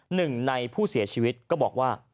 หนึ่งในผู้เสียชีวิตก็บอกว่า